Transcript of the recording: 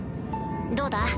どうだ？